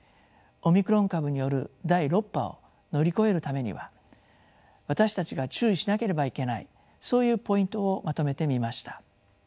オミクロン株による第６波を乗り越えるためには私たちが注意しなければいけないそういうポイントをまとめてみました。